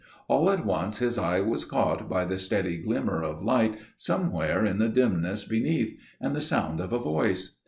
All at once his eye was caught by the steady glimmer of light somewhere in the dimness beneath, and the sound of a voice.